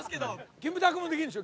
キムタクもできるんでしょ？